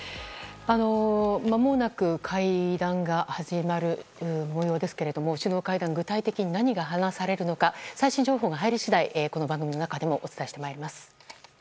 まもなく会談が始まる模様ですが首脳会談具体的に何が話されるのか最新情報が入り次第この番組の中でもお伝えしてまいります。